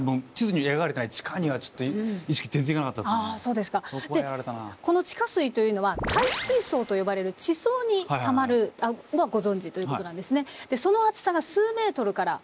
でこの地下水というのは帯水層と呼ばれる地層にたまるのはご存じということなんですね。